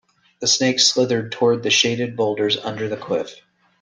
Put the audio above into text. The snake slithered toward the shaded boulders under the cliff.